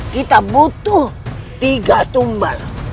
kita butuh tiga tumbal